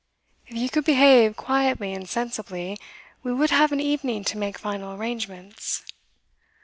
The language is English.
'If you could behave quietly and sensibly, we would have an evening to make final arrangements.